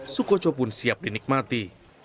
sukoco pun siap dinikmati